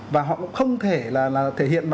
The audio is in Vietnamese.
và họ cũng không thể là thể hiện